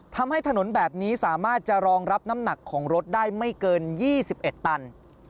ทำให้ถนนแบบนี้สามารถจะรองรับน้ำหนักของรถได้ไม่เกิน๒๑ตัน